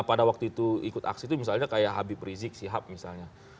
pada waktu itu ikut aksi itu misalnya kayak habib rizik sihab misalnya